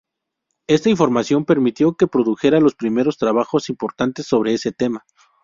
Esta información permitió que produjera los primeros trabajos importantes sobre este tema.